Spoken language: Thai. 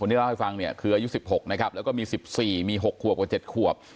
ที่เล่าให้ฟังเนี่ยคืออายุ๑๖นะครับแล้วก็มี๑๔มี๖ขวบกว่า๗ขวบ